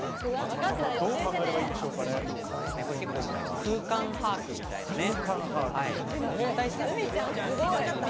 どう考えればいい空間把握みたいなね。